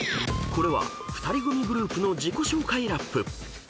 ［これは２人組グループの自己紹介ラップ］